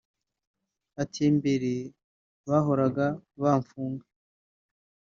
ati "mbere bahoraga bamfuga